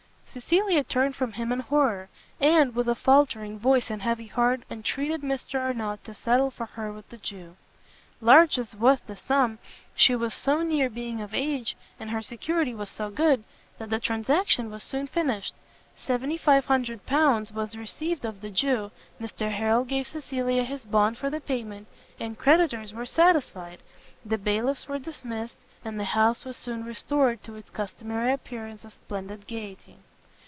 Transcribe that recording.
Cecilia turned from him in horror; and, with a faltering voice and heavy heart, entreated Mr Arnott to settle for her with the Jew. Large as was the sum, she was so near being of age, and her security was so good, that the transaction was soon finished: 7500 pounds was received of the Jew, Mr Harrel gave Cecilia his bond for the payment, the creditors were satisfied, the bailiffs were dismissed, and the house was soon restored to its customary appearance of splendid gaiety.